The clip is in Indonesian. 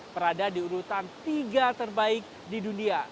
berada di urutan tiga terbaik di dunia